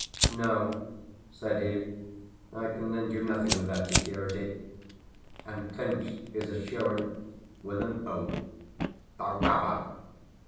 "No," said he, "I can lend you nothing without security," and clinched his assurance with an oath, the robber!